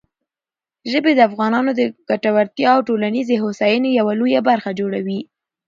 ژبې د افغانانو د ګټورتیا او ټولنیزې هوساینې یوه لویه برخه جوړوي.